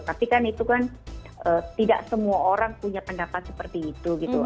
tapi kan itu kan tidak semua orang punya pendapat seperti itu gitu